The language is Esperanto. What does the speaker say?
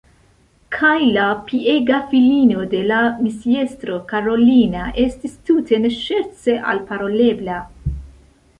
Kaj la piega filino de la misiestro, Karolina, estis tute ne ŝerce alparolebla.